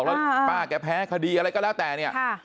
แล้วป้าแกแพ้คดีอะไรก็แล้วแต่เนี่ย